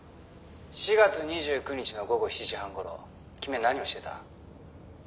「４月２９日の午後７時半頃君は何をしてた？」